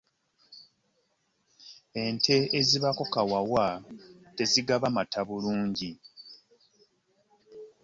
Ente ezibaako kawawa tezigala mata bulungi.